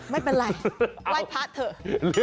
ไม่เป็นไรไหว้พระเถอะ